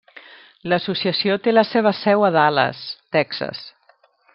L'associació té la seva seu a Dallas, Texas.